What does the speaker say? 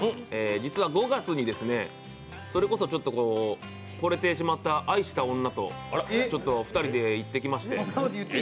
実は５月に、それこそちょっと惚れてしまった、愛した女と２人で行ってきまして。